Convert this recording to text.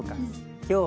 今日はね